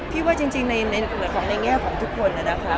พี่ว่าจริงในแง่ของทุกคนนะคะ